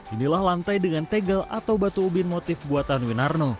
inilah lantai dengan tegel atau batu ubin motif buatan winarno